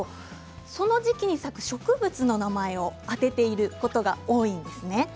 その時期に咲く植物の名前を当てていることが多いんですね。